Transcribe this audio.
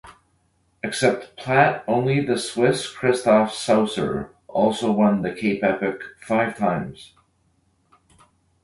Except Platt only the Swiss Christoph Sauser also won the Cape Epic five times.